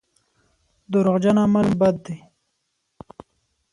دروغجن عمل بد دی.